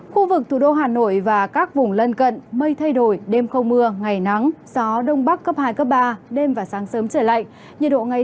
khu vực thủ đô hà nội và các vùng lân cận mây thay đổi đêm không mưa ngày nắng gió đông bắc cấp hai cấp ba đêm và sáng sớm trở lạnh nhiệt độ ngày đêm giao động từ một mươi chín đến hai mươi bảy độ